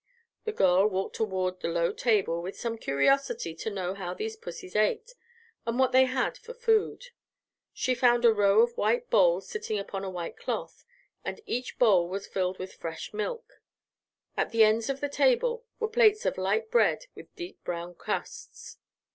The girl walked toward the low table with some curiosity to know how these pussys ate, and what they had for food. She found a row of white bowls sitting upon a white cloth, and each bowl was filled with fresh milk. At the ends of the table were plates of light bread with deep brown crusts.